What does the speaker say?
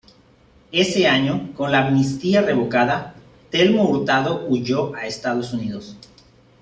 Ese año, con la amnistía revocada, Telmo Hurtado huyó a Estados Unidos.